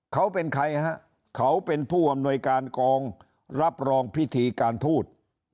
เขาเป็นใครฮะเขาเป็นผู้อำนวยการกองรับรองพิธีการทูต